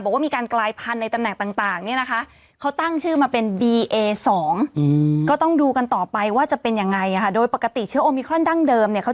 ผมว่าไม่น่าจะได้นะหูเนี่ย